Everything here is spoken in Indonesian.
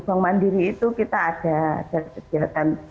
bank mandiri itu kita ada kegiatan